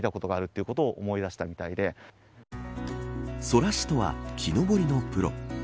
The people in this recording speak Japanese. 空師とは木登りのプロ。